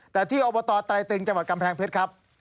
แต่ที่อบตไตรตึงจังหวัดกำแพงเพชรครับ